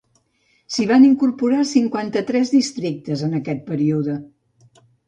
S'hi van incorporar cinquanta-tres districtes en aquest període.